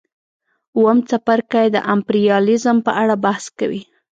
اووم څپرکی د امپریالیزم په اړه بحث کوي